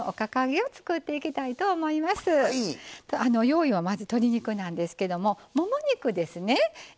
用意はまず鶏肉なんですけどももも肉ですね。